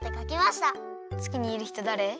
つきにいるひとだれ？